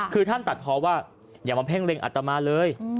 คือท่านตัดเพราะว่าอย่ามาเพ่งเล็งอัตมาเลย